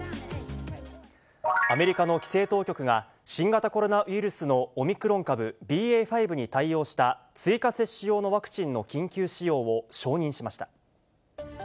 アメリカの規制当局が、新型コロナウイルスのオミクロン株、ＢＡ．５に対応した追加接種用のワクチンの緊急使用を承認しました。